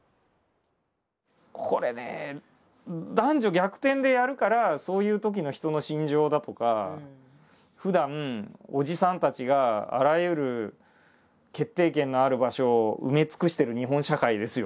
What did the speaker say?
これね男女逆転でやるからそういうときの人の心情だとかふだんおじさんたちがあらゆる決定権のある場所を埋め尽くしてる日本社会ですよ